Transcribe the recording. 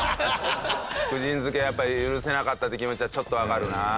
福神漬けはやっぱり許せなかったって気持ちはちょっとわかるな。